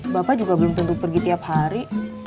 bapak juga belum tentu pergi tiap hari